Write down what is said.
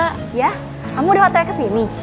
kamu udah otaknya kesini